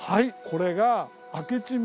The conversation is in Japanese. これが。